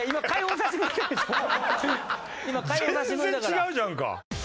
全然違うじゃんか！